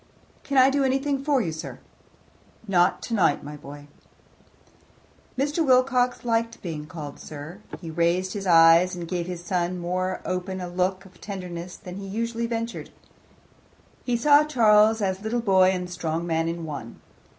"Can I do anything for you, sir?" "Not tonight, my boy." Mr. Wilcox liked being called sir. He raised his eyes and gave his son more open a look of tenderness than he usually ventured. He saw Charles as little boy and strong man in one.